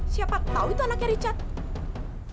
siapa tahu itu anaknya richard